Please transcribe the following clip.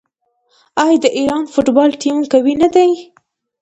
آیا د ایران فوټبال ټیم قوي نه دی؟